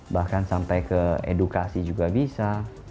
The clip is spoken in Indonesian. bahkan sampai ke edukasi juga bisa